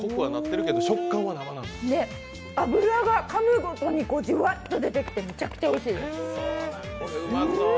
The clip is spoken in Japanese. で、脂がかむごとにジュワッと出てきてめちゃくちゃおいしいです。